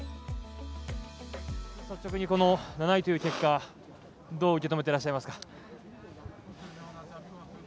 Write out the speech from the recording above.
率直に７位という結果どう受け止めてらっしゃいますか。